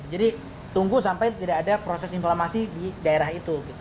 jadi tunggu sampai tidak ada proses inflamasi di daerah itu gitu